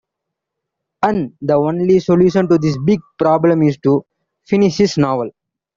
And the only solution to this big problem is to finish his novel.